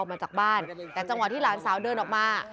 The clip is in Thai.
มาจากบ้านแต่จังหวะที่หลานสาวเดินออกมา